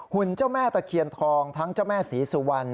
หุ่นเจ้าแม่ตะเคียนทองทั้งเจ้าแม่ศรีสุวรรณ